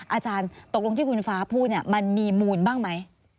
อาจารย์ตกลงที่คุณฟ้าพูดมันมีมูลบ้างไหม